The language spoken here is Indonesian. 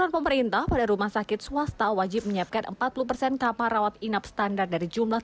sementara untuk rumah sakit pemerintah wajib menerapkan enam puluh kabel rawat inap standar dan ber newer nelayan